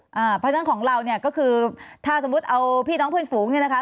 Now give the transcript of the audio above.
เพราะฉะนั้นของเราเนี่ยก็คือถ้าสมมุติเอาพี่น้องเพื่อนฝูงเนี่ยนะคะ